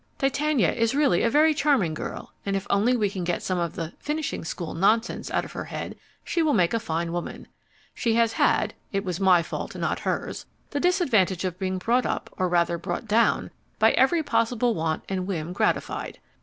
Titania is really a very charming girl, and if only we can get some of the "finishing school" nonsense out of her head she will make a fine woman. She has had (it was my fault, not hers) the disadvantage of being brought up, or rather brought down, by having every possible want and whim gratified.